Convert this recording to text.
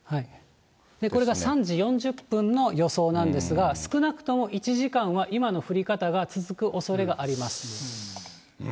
これが３時４０分の予想なんですが、少なくとも１時間は今の降り方が続くおそれがあります。